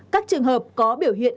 các trường hợp có biểu hiện